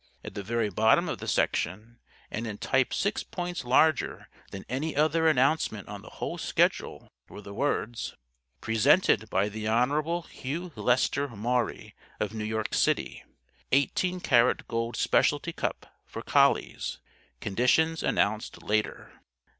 At the very bottom of the section, and in type six points larger than any other announcement on the whole schedule, were the words: "_Presented, by the Hon. Hugh Lester Maury of New York City 18 KARAT GOLD SPECIALTY CUP, FOR COLLIES (conditions announced later).